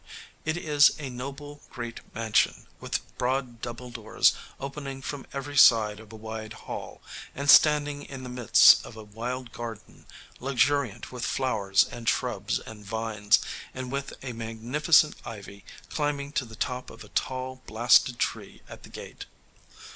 It is a noble great mansion, with broad double doors opening from every side of a wide hall, and standing in the midst of a wild garden luxuriant with flowers and shrubs and vines, and with a magnificent ivy climbing to the top of a tall blasted tree at the gate.